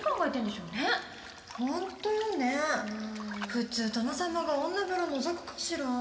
普通殿様が女風呂のぞくかしら。